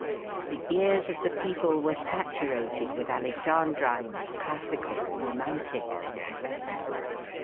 The ears of the people were saturated with Alexandrines classical, romantic, and the rest.